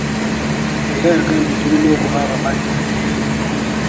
Era yagambye tulina okuba abamalirivu.